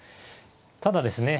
ただですね